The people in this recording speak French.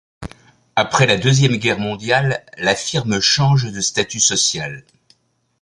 Après la Deuxième Guerre mondiale, la firme change de statut social.